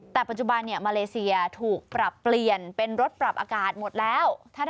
แต่ปัจจุบันมาเลเซียถูกปรับเปลี่ยนเป็นรถปรับอากาศหมดแล้ว